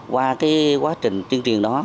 qua cái quá trình tiên triền đó